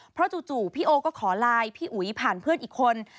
เพราะจู่พี่โอก็ขอไลน์พี่อุ๋ยผ่านเพื่อนอีกคน